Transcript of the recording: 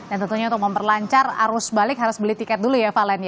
dan tentunya untuk memperlancar arus balik harus beli tiket dulu ya valen